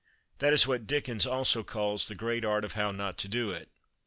That is what Dickens also calls the great art of how not to do it.